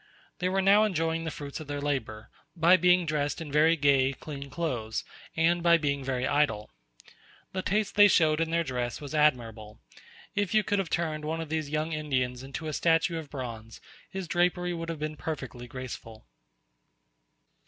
They were now enjoying the fruits of their labour, by being dressed in very gay, clean clothes, and by being very idle. The taste they showed in their dress was admirable; if you could have turned one of these young Indians into a statue of bronze, his drapery would have been perfectly graceful.